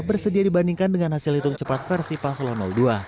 bersedia dibandingkan dengan hasil hitung cepat versi paslon dua